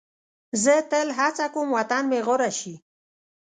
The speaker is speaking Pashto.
زه تل هڅه کوم وطن مې غوره شي.